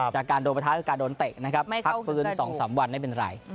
จากการโดนประท้าหรือการโดนเตะพักคืน๒๓วันไม่เป็นไร